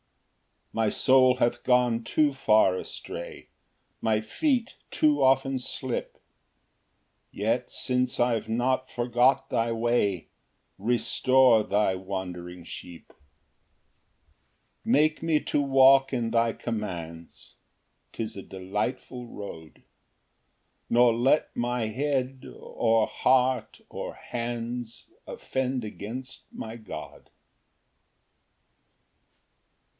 176. 5 My soul hath gone too far astray, My feet too often slip; Yet since I've not forgot thy way, Restore thy wandering sheep. Ver. 35. 6 Make me to walk in thy commands, 'Tis a delightful road; Nor let my head, or heart, or hands, Offend against my God.